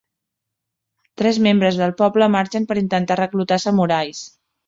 Tres membres del poble marxen per intentar reclutar samurais.